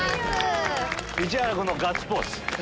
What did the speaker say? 市原君のガッツポーズ。